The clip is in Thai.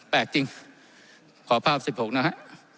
แปลกจริงขอภาพสิบหกนะฮะ